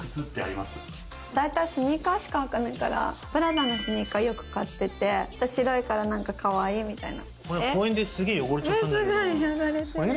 だいたいスニーカーしか履かないから、プラダのスニーカーよく買ってて、白いから、かわいいみたいな。